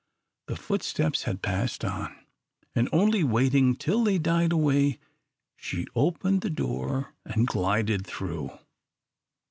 The footsteps had passed on, and only waiting till they died away, she opened the door and glided through.